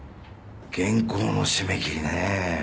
原稿の締め切りね。